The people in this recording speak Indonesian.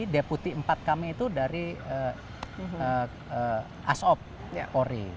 deputi empat kami itu dari asop polri